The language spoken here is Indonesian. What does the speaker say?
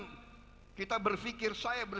bagaimana rakyat indonesia tidak ada yang lapar